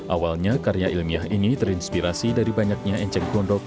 awalnya karya ilmiah ini terinspirasi dari banyaknya enceng gondok